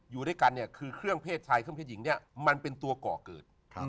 อยู่ด้วยกันเนี่ยคือเครื่องเพศชายเครื่องเพศหญิงเนี่ยมันเป็นตัวก่อเกิด